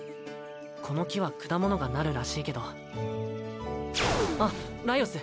この木は果物がなるらしいけどあっライオス